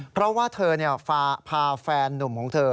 เพราะว่าเธอพาแฟนนุ่มของเธอ